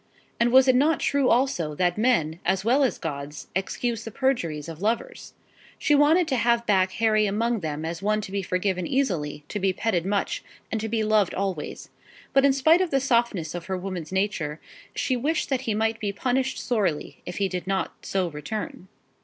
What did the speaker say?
And was it not true also that men, as well as gods, excuse the perjuries of lovers? She wanted to have back Harry among them as one to be forgiven easily, to be petted much, and to be loved always; but, in spite of the softness of her woman's nature, she wished that he might be punished sorely if he did not so return.